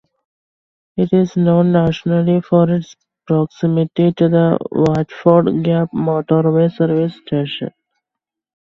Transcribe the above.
It is known nationally for its proximity to the Watford Gap motorway service station.